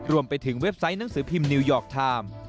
รวมไปถึงเว็บไซต์หนังสือพิมพ์นิวยอร์กทาม